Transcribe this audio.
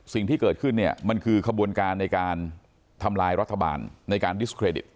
สิ่งที่เกิดขึ้นเนี่ยมันคือขบวนการในการทำลายรัฐบาลในการดิสเครดิต